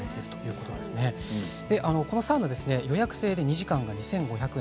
このサウナは予約制で２時間２５００円